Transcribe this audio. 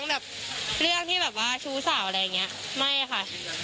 แต่เรื่องที่ชู้สาวอะไรอย่างนี้ไม่ค่ะ